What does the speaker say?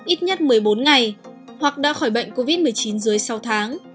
ít nhất một mươi bốn ngày hoặc đã khỏi bệnh covid một mươi chín dưới sáu tháng